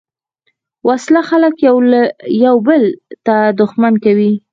وسله خلک یو بل ته دښمن کوي